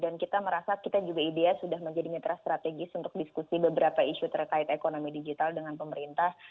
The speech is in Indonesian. dan kita merasa kita juga ibs sudah menjadi mitra strategis untuk diskusi beberapa isu terkait ekonomi digital dengan pemerintah